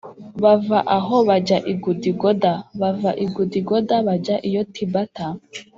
Bava aho bajya i Gudigoda; bava i Gudigoda bajya i Yotibata,